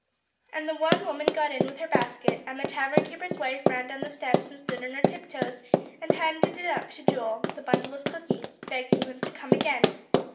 And the one woman got in with her basket, and the tavern keeper's wife ran down the steps and stood on her tiptoes and handed up to Joel the bundle of cookies, begging them to come again.